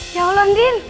ya allah andin